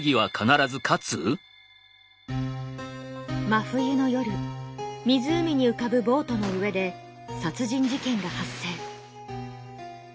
真冬の夜湖に浮かぶボートの上で殺人事件が発生。